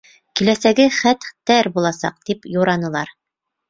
Киләсәге хәт-тәр буласаҡ, тип юранылар.